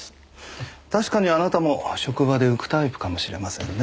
確かにあなたも職場で浮くタイプかもしれませんね。